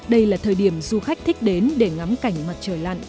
đây là thời điểm du khách thích đến để ngắm cảnh mặt trời lặn